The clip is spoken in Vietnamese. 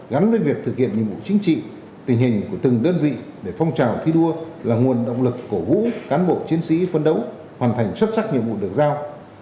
gắn với việc thực hiện nhiệm vụ chính trị tình hình của từng đơn vị để phong trào thi đua là nguồn động lực cổ vũ cán bộ chiến sĩ phân đấu hoàn thành xuất sắc nhiệm vụ được giao